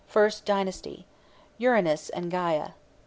FIRST DYNASTY. URANUS AND GÆA.